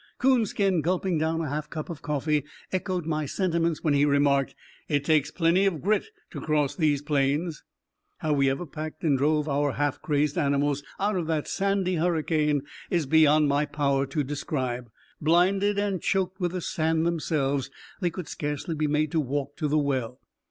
Coonskin, gulping down a half cup of coffee, echoed my sentiments when he remarked, "It takes plenty of grit to cross these plains." How we ever packed and drove our half crazed animals out of that sandy hurricane is beyond my power to describe. Blinded and choked with the sand themselves, they could scarcely be made to walk to the well.